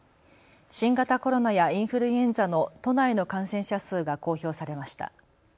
新型コロナやインフルエンザの都内の感染者数が公表されました。